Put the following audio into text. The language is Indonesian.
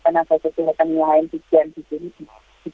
karena saya sudah menilai bijan di sini